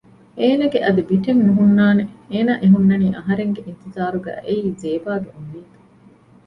އޭނަގެ އަދި ބިޓެއް ނުހުންނާނެއޭނަ އެހުންނަނީ އަހަރެންގެ އިންތިޒާރުގައި އެއީ ޒޭބާގެ އުންމީދު